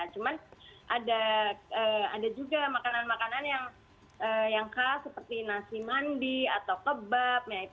cuma ada juga makanan makanan yang khas seperti nasi mandi atau kebab